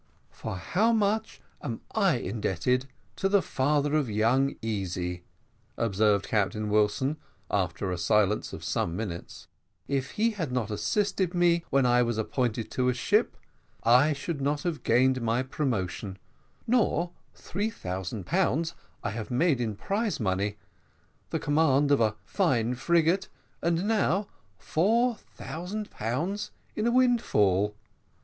"For how much am I indebted to the father of young Easy!" observed Captain Wilson, after a silence of some minutes; "if he had not assisted me when I was appointed to a ship, I should not have gained my promotion nor three thousand pounds I have made in prize money the command of a fine frigate and now four thousand pounds in a windfall."